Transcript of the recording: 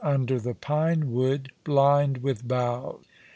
''under the pine wood, blind with boughs."